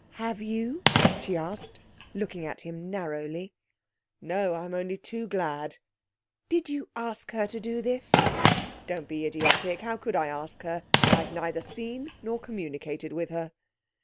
'Have you?' she asked, looking at him narrowly. 'No, I'm only too glad!' 'Did you ask her to do this?' 'Don't be idiotic. How could I ask her? I've neither seen nor communicated with her.'